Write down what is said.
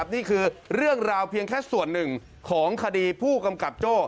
นี่คือเรื่องราวเพียงแค่ส่วนหนึ่งของคดีผู้กำกับโจ้